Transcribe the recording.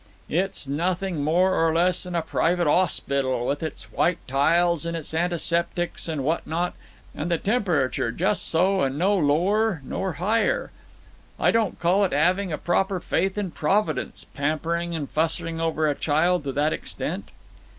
It's nothing more or less than a private 'ospital, with its white tiles and its antiseptics and what not, and the temperature just so and no lower nor higher. I don't call it 'aving a proper faith in Providence, pampering and fussing over a child to that extent."